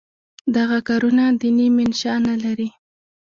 دغه کارونه دیني منشأ نه لري.